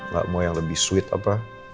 gak mau yang lebih suit apa